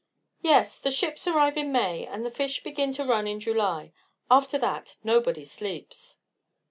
"Yes; the ships arrive in May, and the fish begin to run in July. After that nobody sleeps."